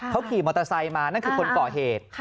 เขาขี่มอเตอร์ไซค์มานั่นคือคนก่อเหตุ